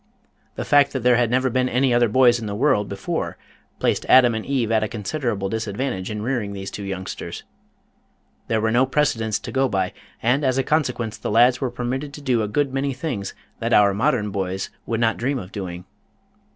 The fact that there had never been any other boys in the world before placed Adam and Eve at a considerable disadvantage in rearing these two youngsters. There were no precedents to go by, and as a consequence the lads were permitted to do a good many things that our modern boys would not dream of doing.